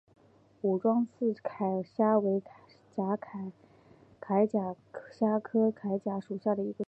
武装刺铠虾为铠甲虾科刺铠虾属下的一个种。